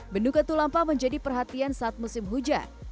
bendung katulampa menjadi perhatian saat musim hujan